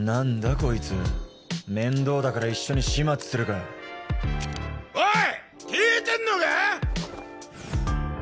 こいつ面倒だから一緒に始末するかおい聞いてんのか？